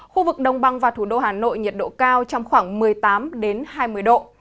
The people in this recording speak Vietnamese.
khu vực đông băng và thủ đô hà nội nhiệt độ cao trong khoảng một mươi tám hai mươi độ